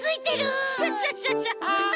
クシャシャシャシャ！